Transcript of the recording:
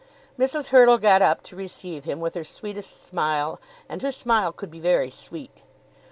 Mrs. Hurtle got up to receive him with her sweetest smile, and her smile could be very sweet.